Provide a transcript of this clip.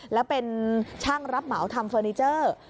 แล้วเป็นช่างรับเหมาทำเฟอร์นิเจอร์